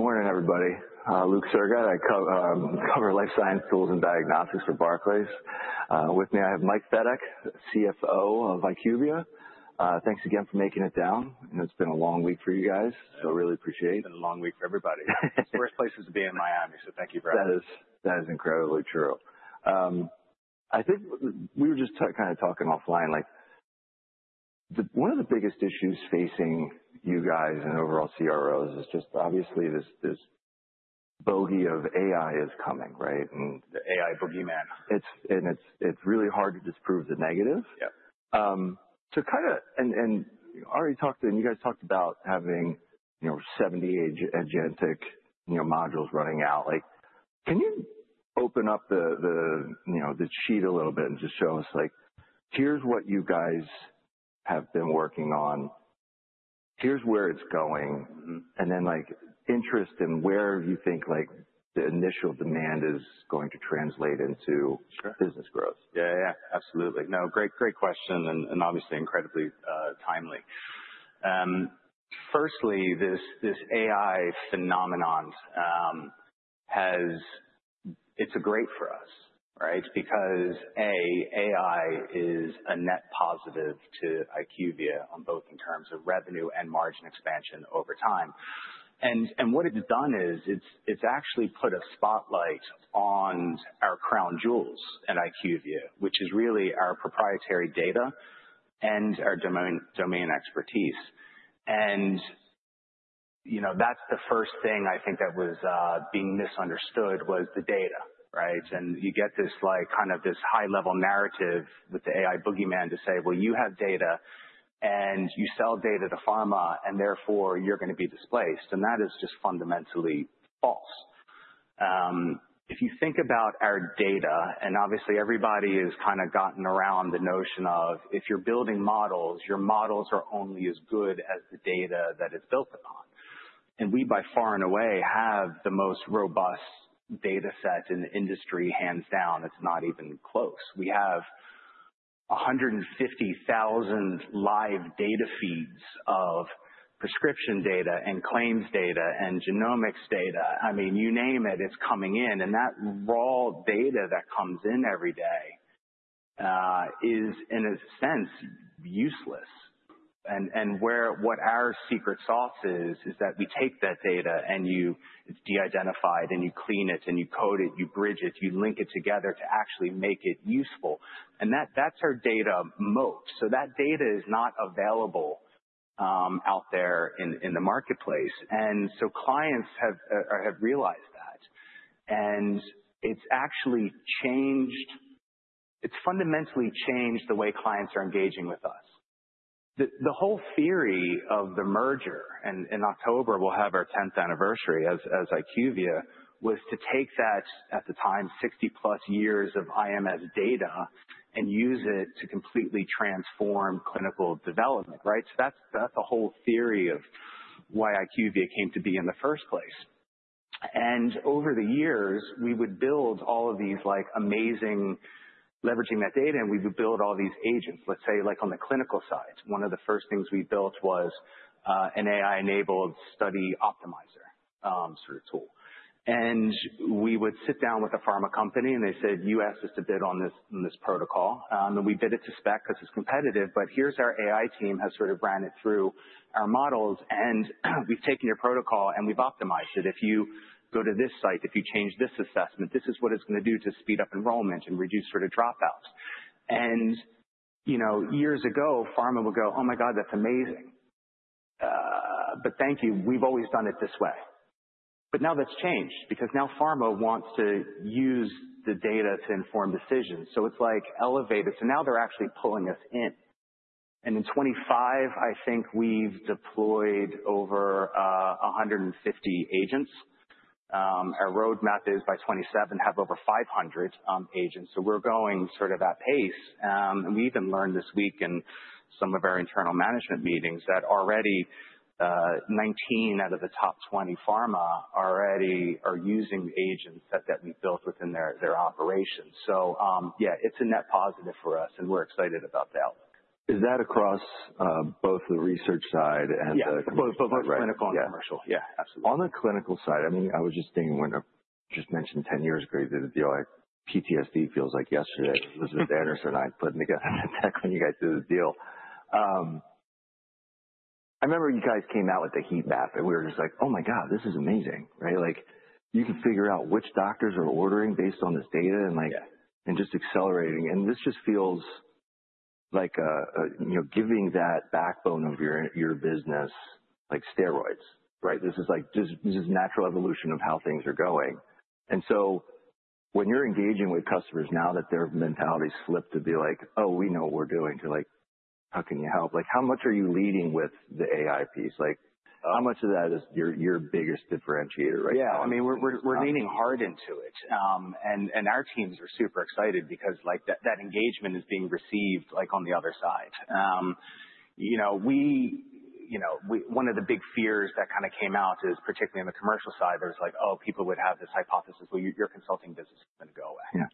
Good morning, everybody. Luke Sergott. I cover life science tools and diagnostics for Barclays. With me, I have Mike Fedock, CFO of IQVIA. Thanks again for making it down. I know it's been a long week for you guys. I know. Really appreciate. It's been a long week for everybody. The worst place is to be in Miami, so thank you for asking. That is incredibly true. I think we were just kind of talking offline, like, one of the biggest issues facing you guys and overall CROs is just obviously this boogey of AI is coming, right? The AI boogeyman. It's really hard to disprove the negative. Yeah. Already talked and you guys talked about having, you know, 70 agentic, you know, modules running out. Like, can you open up the sheet a little bit and just show us, like, here's what you guys have been working on, here's where it's going. Mm-hmm. Like, interest in where you think, like, the initial demand is going to translate into. Sure. Business growth. Yeah. Absolutely. No, great question and obviously incredibly timely. First, this AI phenomenon. It's great for us, right? Because, A, AI is a net positive to IQVIA on both in terms of revenue and margin expansion over time. What it's done is, it's actually put a spotlight on our crown jewels at IQVIA, which is really our proprietary data and our domain expertise. You know, that's the first thing I think that was being misunderstood was the data, right? You get this like kind of this high-level narrative with the AI boogeyman to say, "Well, you have data, and you sell data to pharma, and therefore you're gonna be displaced." That is just fundamentally false. If you think about our data, and obviously everybody has kinda gotten around the notion of if you're building models, your models are only as good as the data that it's built upon. We, by far and away, have the most robust data set in the industry, hands down. It's not even close. We have 150,000 live data feeds of prescription data and claims data and genomics data. I mean, you name it's coming in. That raw data that comes in every day is, in a sense, useless. What our secret sauce is is that we take that data and you de-identify it and you clean it and you code it, you bridge it, you link it together to actually make it useful. That, that's our data moat. That data is not available out there in the marketplace. Clients have realized that. It's actually changed. It's fundamentally changed the way clients are engaging with us. The whole theory of the merger, and in October we'll have our 10th anniversary as IQVIA, was to take that, at the time, 60+ years of IMS data and use it to completely transform Clinical development, right? That's the whole theory of why IQVIA came to be in the first place. Over the years, we would build all of these like amazing leveraging that data, and we would build all these agents, let's say like on the Clinical side. One of the first things we built was an AI-enabled study optimizer, sort of tool. We would sit down with a pharma company and they said, "You asked us to bid on this protocol. We bid it to spec 'cause it's competitive, but here's our AI team has sort of ran it through our models, and we've taken your protocol and we've optimized it. If you go to this site, if you change this assessment, this is what it's gonna do to speed up enrollment and reduce sort of dropouts." You know, years ago, pharma would go, "Oh my god, that's amazing. But thank you. We've always done it this way." Now that's changed because now pharma wants to use the data to inform decisions, so it's like elevated. Now they're actually pulling us in. In 2025, I think we've deployed over 150 agents. Our roadmap is by 2027, have over 500 agents. We're going sort of at pace. We even learned this week in some of our internal management meetings that already, 19 out of the top 20 pharma already are using agents that we've built within their operations. Yeah, it's a net positive for us, and we're excited about the outlook. Is that across both the research side? Yeah. Right. Both Clinical and Commercial. Yeah. Yeah, absolutely. On the Clinical side, I mean, I was just thinking when I just mentioned 10 years ago, you did a deal like PTSD feels like yesterday. Elizabeth Anderson and I putting together a deck when you guys did the deal. I remember you guys came out with a heat map, and we were just like, "Oh my God, this is amazing." Right? Like, you can figure out which doctors are ordering based on this data and like. Yeah. Just accelerating. This just feels like a you know, giving that backbone of your business like steroids, right? This is like this is natural evolution of how things are going. When you're engaging with customers now that their mentality slipped to be like, "Oh, we know what we're doing," to like, "How can you help?" Like, how much are you leading with the AI piece? Like, how much of that is your biggest differentiator right now? Yeah. I mean, we're leaning hard into it. Our teams are super excited because, like, that engagement is being received, like, on the other side. You know, one of the big fears that kind of came out is particularly on the Commercial side, there's like, oh, people would have this hypothesis, well, your consulting business is gonna go away. Yeah.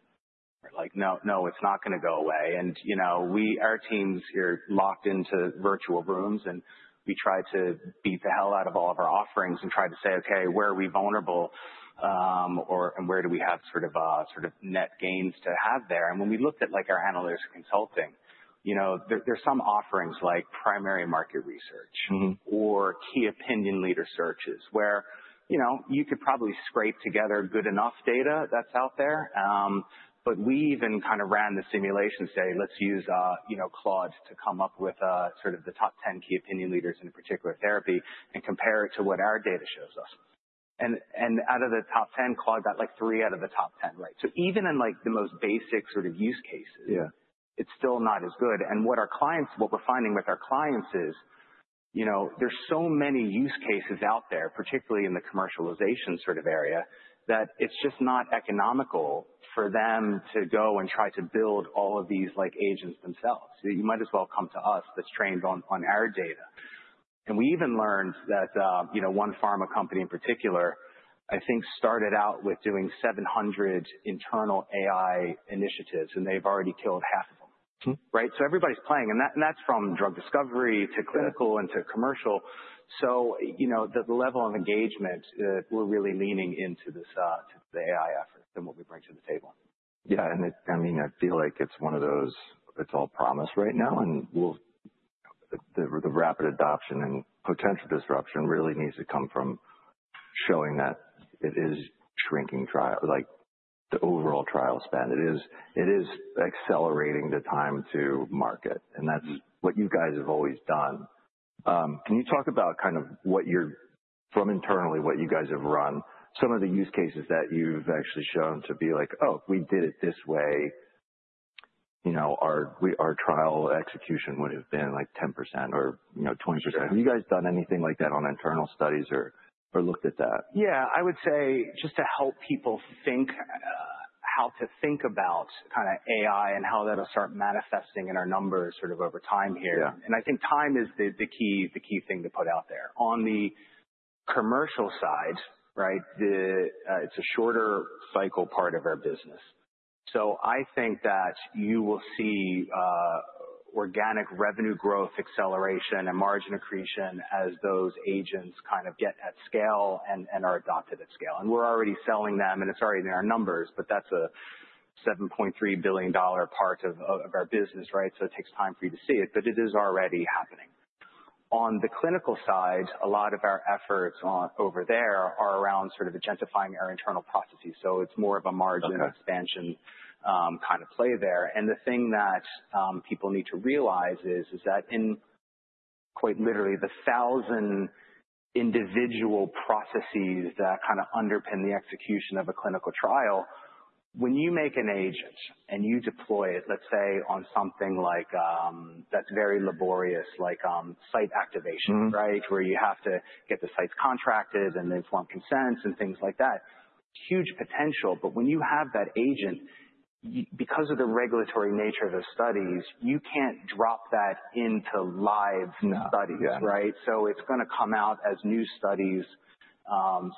Like, no, it's not gonna go away. You know, our teams here locked into virtual rooms, and we try to beat the hell out of all of our offerings and try to say, "Okay, where are we vulnerable, and where do we have sort of, sort of net gains to have there?" When we looked at, like, our analytics consulting, you know, there's some offerings like primary market research. Mm-hmm. Key opinion leader searches where you know you could probably scrape together good enough data that's out there, but we even kind of ran the simulation. Say, let's use you know Claude to come up with sort of the top 10 key opinion leaders in a particular therapy and compare it to what our data shows us. Out of the top 10, Claude got like three out of the top 10 right. Even in like the most basic sort of use cases. Yeah. It's still not as good. What we're finding with our clients is, you know, there's so many use cases out there, particularly in the commercialization sort of area, that it's just not economical for them to go and try to build all of these, like, agents themselves. You might as well come to us that's trained on our data. We even learned that, you know, one pharma company in particular, I think, started out with doing 700 internal AI initiatives, and they've already killed half of them. Hmm. Right? Everybody's playing. That's from drug discovery to Clinical and to Commercial. You know, the level of engagement, we're really leaning into this, the AI effort and what we bring to the table. Yeah. I mean, I feel like it's one of those it's all promise right now. The rapid adoption and potential disruption really needs to come from showing that it is shrinking trial, like, the overall trial spend. It is accelerating the time to market, and that's what you guys have always done. Can you talk about kind of from internally, what you guys have run, some of the use cases that you've actually shown to be like, "Oh, if we did it this way, you know, our trial execution would have been, like, 10% or, you know, 20%." Have you guys done anything like that on internal studies or looked at that? Yeah. I would say just to help people think, how to think about kinda AI and how that'll start manifesting in our numbers sort of over time here. Yeah. I think time is the key thing to put out there. On the Commercial side, right, it's a shorter cycle part of our business. I think that you will see organic revenue growth acceleration and margin accretion as those agents kind of get at scale and are adopted at scale. We're already selling them, and it's already in our numbers, but that's a $7.3 billion part of our business, right? It takes time for you to see it, but it is already happening. On the Clinical side, a lot of our efforts over there are around sort of agentifying our internal processes, so it's more of a margin- Okay. Expansion, kind of play there. The thing that people need to realize is that in quite literally the thousand individual processes that kinda underpin the execution of a Clinical trial, when you make an agent and you deploy it, let's say, on something like that's very laborious, like site activation. Mm-hmm. Right? Where you have to get the sites contracted, and they form consents and things like that, huge potential. When you have that agent, because of the regulatory nature of the studies, you can't drop that into live studies. Yeah. Right? It's gonna come out as new studies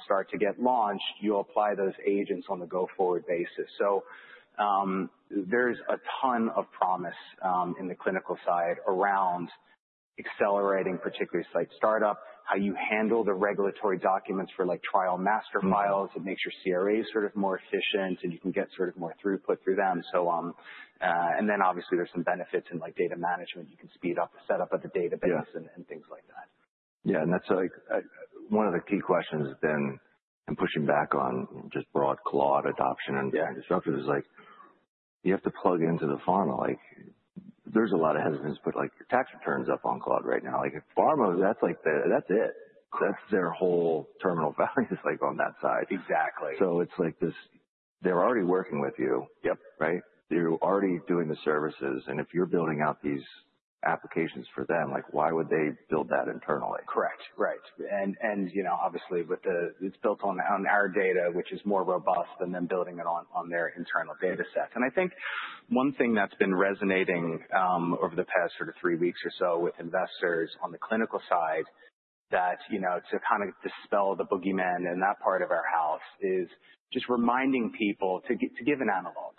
start to get launched. You'll apply those agents on a go-forward basis. There's a ton of promise in the Clinical side around accelerating particularly site startup, how you handle the regulatory documents for, like, trial master file. Mm-hmm. It makes your CRAs sort of more efficient, and you can get sort of more throughput through them. Obviously, there's some benefits in, like, data management. You can speed up the setup of the database. Yeah. Things like that. Yeah. That's, like, one of the key questions then, and pushing back on just broad Claude adoption. Yeah. Disruption is like you have to plug into the pharma. Like, there's a lot of hesitance, but like your tax return's up on Claude right now. Like, if pharma, that's like the. That's it. Correct. That's their whole terminal value, like, on that side. Exactly. It's like this. They're already working with you. Yep. Right? You're already doing the services, and if you're building out these applications for them, like, why would they build that internally? Correct. Right. You know, obviously, with the it's built on our data, which is more robust than them building it on their internal datasets. I think one thing that's been resonating over the past sort of three weeks or so with investors on the Clinical side that, you know, to kind of dispel the boogeyman in that part of our house is just reminding people to give an analogy.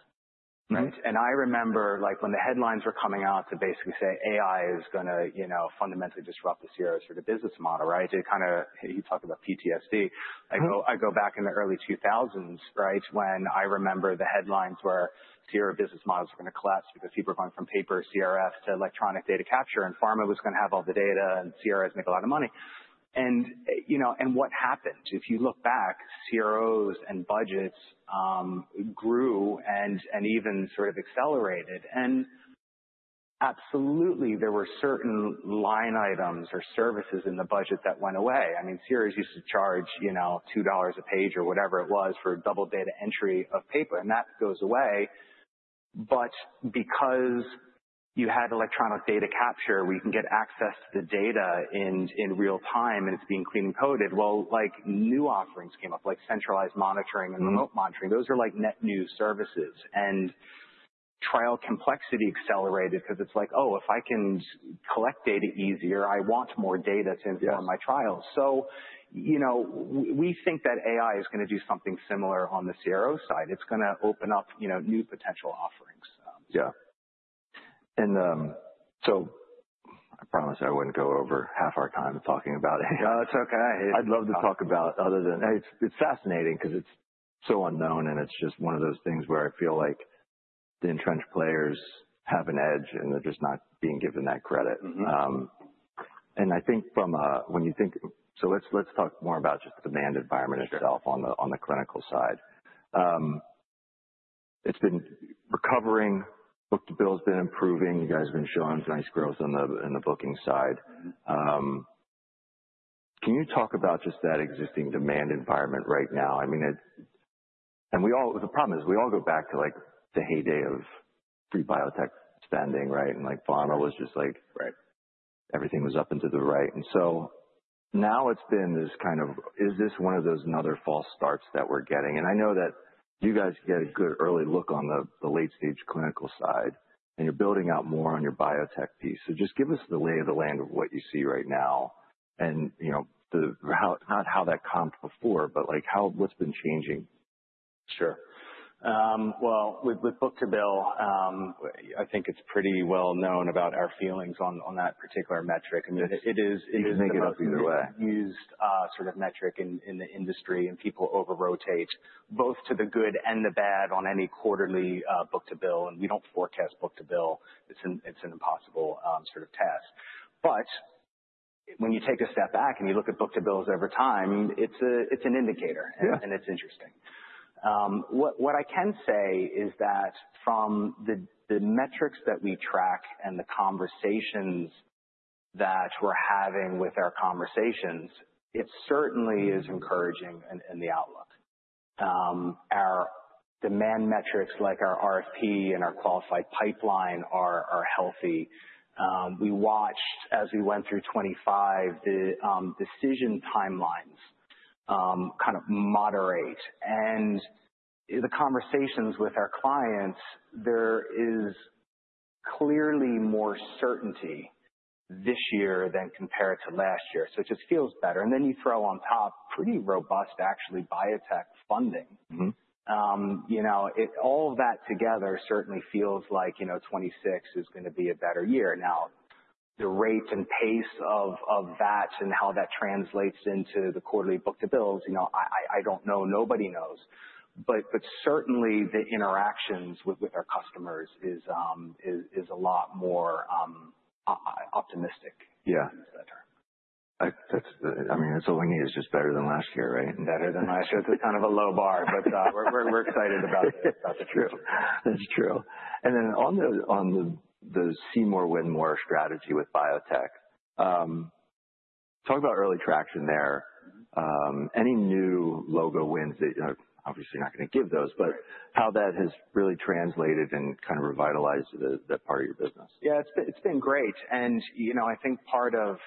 Right. I remember, like, when the headlines were coming out to basically say AI is gonna, you know, fundamentally disrupt the CRO sort of business model, right? It kinda. You talk about PTSD. Mm-hmm. I go back in the early 2000s, right, when I remember the headlines where CRO business models were gonna collapse because people were going from paper CRFs to electronic data capture, and pharma was gonna have all the data, and CROs make a lot of money. You know, what happened? If you look back, CROs and budgets grew and even sort of accelerated. Absolutely there were certain line items or services in the budget that went away. I mean, CROs used to charge, you know, $2 a page or whatever it was for double data entry of paper, and that goes away. Because you had electronic data capture where you can get access to data in real time and it's being cleaned and coded, well, like, new offerings came up like centralized monitoring and remote monitoring. Those are like net new services. Trial complexity accelerated because it's like, oh, if I can collect data easier, I want more data to inform my trials. Yes. you know, we think that AI is going to do something similar on the CRO side. It's gonna open up, you know, new potential offerings. Yeah. I promised I wouldn't go over half our time talking about AI. No, it's okay. It's fascinating because it's so unknown, and it's just one of those things where I feel like the entrenched players have an edge, and they're just not being given that credit. Mm-hmm. Let's talk more about just demand environment itself. Sure. On the Clinical side. It's been recovering. Book-to-bill's been improving. You guys have been showing nice growth in the booking side. Can you talk about just that existing demand environment right now? The problem is we all go back to, like, the heyday of pre-biotech spending, right? Like, PhRMA was just like- Right. Everything was up and to the right. Now it's been this kind of, is this one of those another false starts that we're getting? I know that you guys get a good early look on the late-stage Clinical side, and you're building out more on your biotech piece. Just give us the lay of the land of what you see right now and, you know, not how that comped before, but, like, how. What's been changing? Sure. Well, with book-to-bill, I think it's pretty well known about our feelings on that particular metric. I mean, it is the most- You can make it up either way. Used sort of metric in the industry, and people over-rotate both to the good and the bad on any quarterly book-to-bill. We don't forecast book-to-bill. It's an impossible sort of task. When you take a step back and you look at book-to-bills over time, it's an indicator. Yeah. It's interesting. What I can say is that from the metrics that we track and the conversations that we're having with our clients, it certainly is encouraging in the outlook. Our demand metrics, like our RFP and our qualified pipeline, are healthy. We watched as we went through 2025, the decision timelines kind of moderated. The conversations with our clients, there is clearly more certainty this year compared to last year. It just feels better. Then you throw on top pretty robust, actually, biotech funding. Mm-hmm. All of that together certainly feels like, you know, 2026 is gonna be a better year. Now, the rates and pace of that and how that translates into the quarterly book-to-bills, you know, I don't know. Nobody knows. Certainly the interactions with our customers is a lot more optimistic. Yeah. To use that term. I mean, that's all we need is just better than last year, right? Better than last year. It's kind of a low bar, but we're excited about it. That's true. On the See More, Win More strategy with biotech, talk about early traction there. Any new logo wins that, you know, obviously you're not gonna give those. Right. how that has really translated and kind of revitalized the part of your business. Yeah. It's been great. You know, I think part of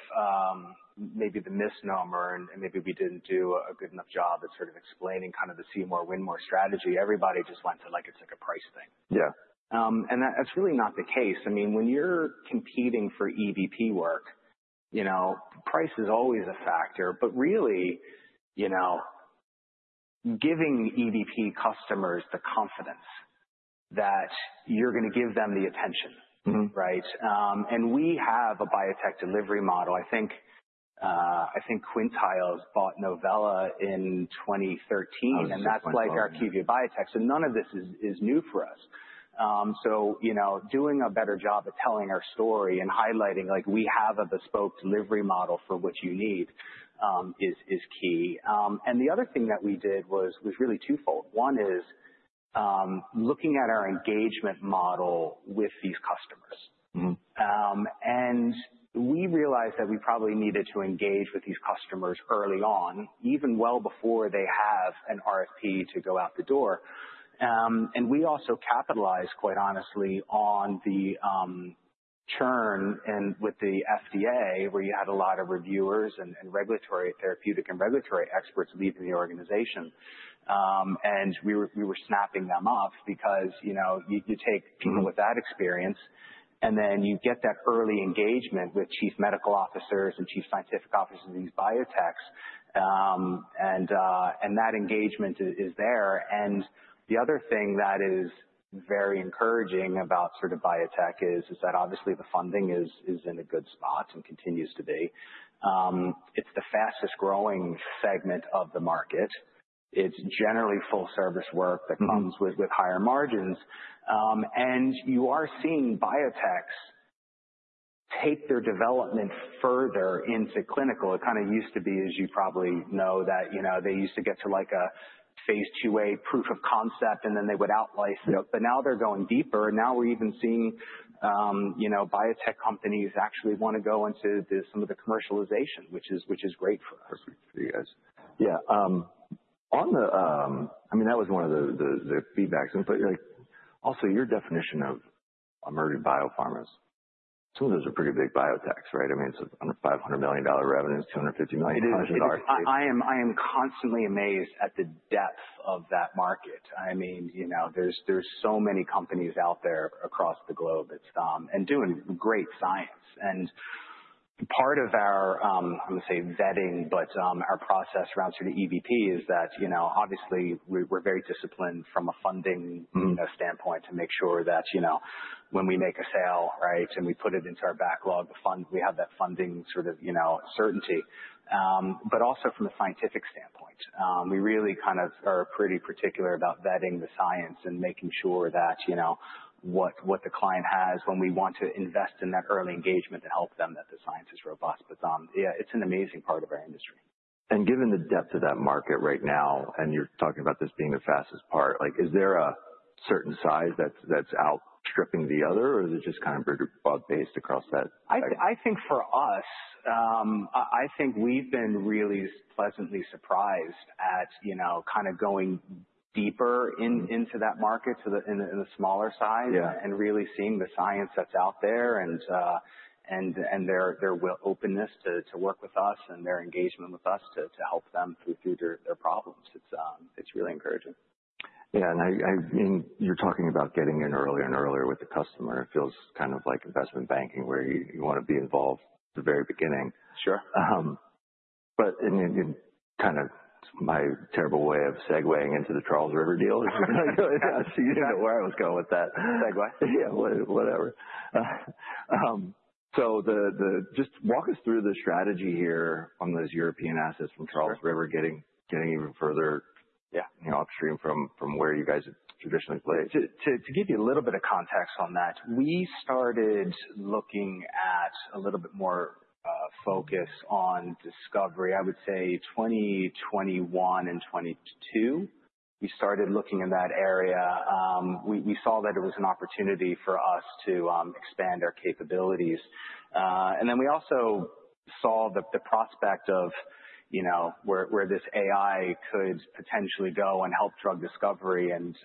maybe the misnomer and maybe we didn't do a good enough job at sort of explaining kind of the See More, Win More strategy. Everybody just went to like it's like a price thing. Yeah. That's really not the case. I mean, when you're competing for EBP work, you know, price is always a factor. Really, you know, giving EBP customers the confidence that you're gonna give them the attention. Mm-hmm. Right? We have a biotech delivery model. I think Quintiles bought Novella in 2013. That was 6.4. That's like our IQVIA Biotech. None of this is new for us. You know, doing a better job at telling our story and highlighting, like, we have a bespoke delivery model for what you need, is key. The other thing that we did was really twofold. One is looking at our engagement model with these customers. Mm-hmm. We realized that we probably needed to engage with these customers early on, even well before they have an RFP to go out the door. We also capitalized, quite honestly, on the churn and with the FDA, where you had a lot of reviewers and regulatory, therapeutic and regulatory experts leaving the organization. We were snapping them up because, you know, you take people. Mm-hmm. With that experience, and then you get that early engagement with chief medical officers and chief scientific officers of these biotechs. That engagement is there. The other thing that is very encouraging about sort of biotech is that obviously the funding is in a good spot and continues to be. It's the fastest-growing segment of the market. It's generally full-service work that comes with higher margins. You are seeing biotechs take their development further into Clinical. It kind of used to be, as you probably know, that, you know, they used to get to like a phase II-A proof of concept, and then they would outlicense it. Now they're going deeper. Now we're even seeing, you know, biotech companies actually wanna go into some of the commercialization, which is great for us. Perfect. Yes. Yeah. On the, I mean, that was one of the feedback since, but, like, also your definition of emerging biopharmas. Some of those are pretty big biotechs, right? I mean, it's under $500 million revenues, $250 million- It is. I am constantly amazed at the depth of that market. I mean, you know, there's so many companies out there across the globe. It's doing great science. Part of our, I would say vetting, but, our process around sort of EBP is that, you know, obviously we're very disciplined from a funding- Mm-hmm. You know, standpoint to make sure that, you know, when we make a sale, right, and we put it into our backlog, the fund we have that funding sort of, you know, certainty. Also from a scientific standpoint. We really kind of are pretty particular about vetting the science and making sure that, you know, what the client has when we want to invest in that early engagement to help them, that the science is robust. Yeah, it's an amazing part of our industry. Given the depth of that market right now, and you're talking about this being the fastest part, like is there a certain size that's outstripping the other? Or is it just kind of broad-based across that sector? I think for us, I think we've been really pleasantly surprised at, you know, kind of going deeper into that market in the smaller size. Yeah. Really seeing the science that's out there and their openness to work with us and their engagement with us to help them through their problems. It's really encouraging. Yeah. I mean, you're talking about getting in earlier and earlier with the customer. It feels kind of like investment banking where you wanna be involved at the very beginning. Sure. Kind of my terrible way of segueing into the Charles River deal is, I'm not really sure you knew where I was going with that. Segway. Yeah, whatever. Just walk us through the strategy here on those European assets from Charles River getting even further. Yeah. You know, upstream from where you guys have traditionally played. To give you a little bit of context on that, we started looking at a little bit more focus on discovery, I would say 2021 and 2022. We started looking in that area. We saw that it was an opportunity for us to expand our capabilities. We also saw the prospect of, you know, where this AI could potentially go and help drug discovery and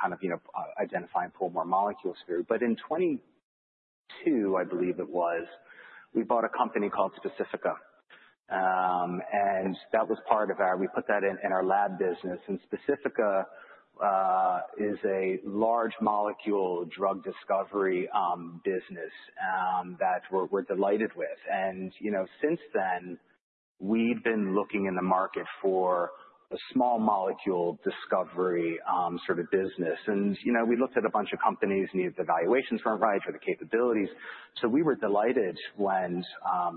kind of, you know, identify and pull more molecules through. In 2022, I believe it was, we bought a company called Specifica. We put that in our lab business. Specifica is a large molecule drug discovery business that we're delighted with. You know, since then, we've been looking in the market for a small molecule discovery sort of business. You know, we looked at a bunch of companies, either the valuations weren't right or the capabilities. We were delighted when,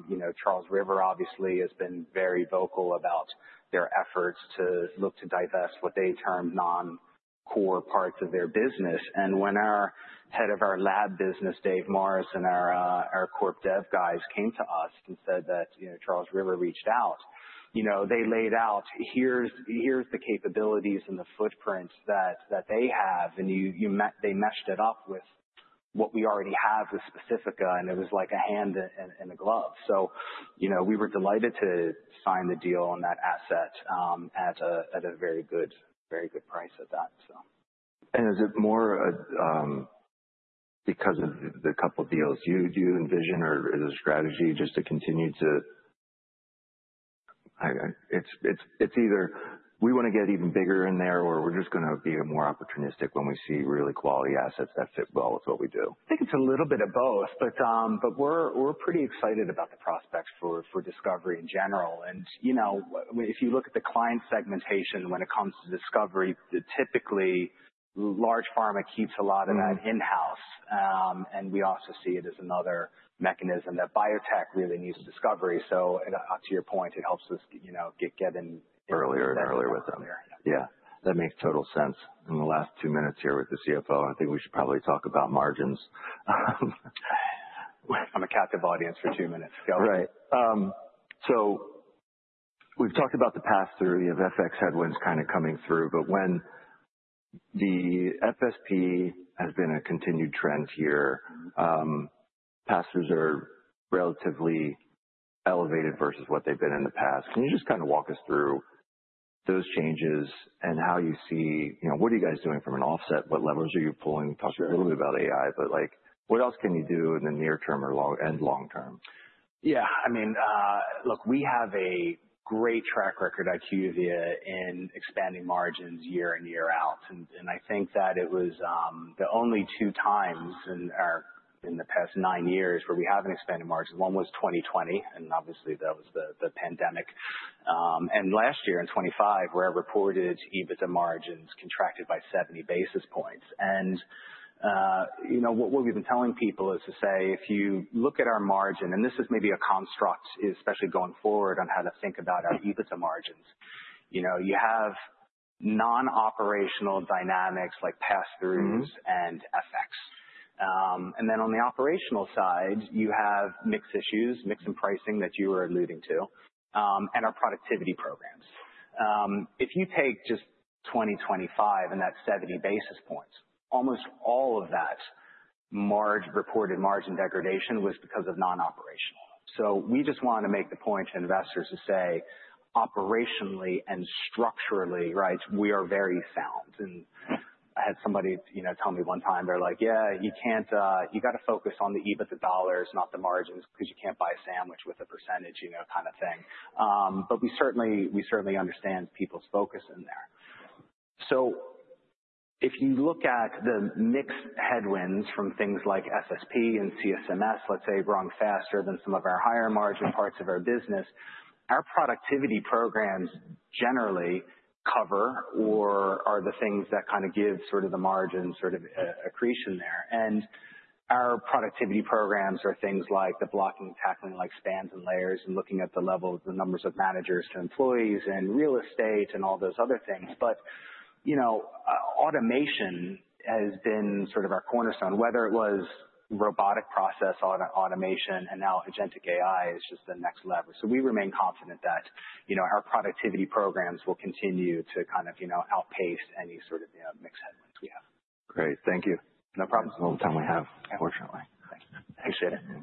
you know, Charles River obviously has been very vocal about their efforts to look to divest what they term non-core parts of their business. When our Head of our Lab business, Dave Morris, and our corp dev guys came to us and said that, you know, Charles River reached out, you know, they laid out, here's the capabilities and the footprints that they have. They meshed it up with what we already have with Specifica, and it was like a hand in glove. you know, we were delighted to sign the deal on that asset, at a very good price at that. Is it more because of the couple deals you do envision or is it a strategy just to continue to I don't know. It's either we wanna get even bigger in there or we're just gonna be more opportunistic when we see really quality assets that fit well with what we do. I think it's a little bit of both. We're pretty excited about the prospects for discovery in general. You know, I mean, if you look at the client segmentation when it comes to discovery, typically large pharma keeps a lot of that in-house. We also see it as another mechanism that biotech really needs discovery. To your point, it helps us, you know, get in- Earlier and earlier with them. Yeah. That makes total sense. In the last 2 minutes here with the CFO, and I think we should probably talk about margins. I'm a captive audience for 2 minutes. Go. Right. We've talked about the pass-through of FX headwinds kind of coming through, but when the FSP has been a continued trend here, pass-throughs are relatively elevated versus what they've been in the past. Can you just kind of walk us through those changes and how you see you know what are you guys doing from an offset? What levers are you pulling? Sure. You talked a little bit about AI, but, like, what else can you do in the near term or long term? Yeah. I mean, look, we have a great track record at IQVIA in expanding margins year in, year out. I think that it was the only two times in the past 9 years where we haven't expanded margin. One was 2020, and obviously that was the pandemic. Last year in 2025, where our reported EBITDA margins contracted by 70 basis points. You know, what we've been telling people is to say, if you look at our margin, and this is maybe a construct, especially going forward, on how to think about our EBITDA margins. You know, you have non-operational dynamics like pass-throughs and FX. On the operational side, you have mix issues, mix in pricing that you were alluding to, and our productivity programs. If you take just 2025 and that 70 basis points, almost all of that margin reported margin degradation was because of non-operational. We just wanna make the point to investors to say, operationally and structurally, right, we are very sound. I had somebody, you know, tell me one time they're like, "Yeah, you can't you gotta focus on the EBITDA dollars, not the margins, because you can't buy a sandwich with a percentage," you know, kind of thing. But we certainly understand people's focus in there. If you look at the mixed headwinds from things like CSMS and CSM, let's say ran faster than some of our higher margin parts of our business, our productivity programs generally cover or are the things that kind of give sort of the margin sort of accretion there. Our productivity programs are things like the blocking and tackling, like spans and layers and looking at the level of the numbers of managers to employees and real estate and all those other things. You know, automation has been sort of our cornerstone, whether it was robotic process automation and now agentic AI is just the next level. We remain confident that, you know, our productivity programs will continue to kind of, you know, outpace any sort of, you know, mixed headwinds we have. Great. Thank you. No problem. That's all the time we have, unfortunately. Appreciate it.